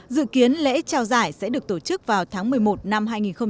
dự kiến lễ trao giải sẽ được tổ chức vào tháng một mươi một năm hai nghìn hai mươi